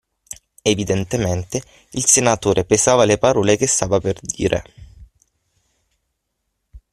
Evidentemente, il senatore pesava le parole che stava per dire.